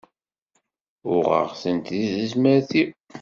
Uɣeɣ-tent deg tezmert-iw.